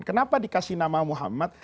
kenapa dikasih nama muhammad